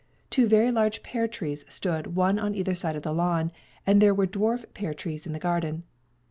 Two very large pear trees stood one on either side of the lawn, and there were dwarf pear trees in the garden.